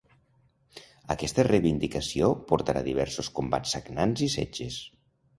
Aquesta reivindicació portarà a diversos combats sagnants i setges.